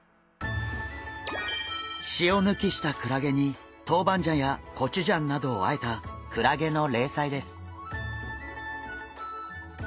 塩抜きしたクラゲにトウバンジャンやコチュジャンなどをあえたクラゲの冷菜です。